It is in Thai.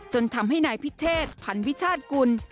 จนทำให้นายพิเชษพันวิชาติกุล